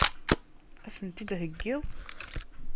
Ad sen-tent-id-theggiḍ?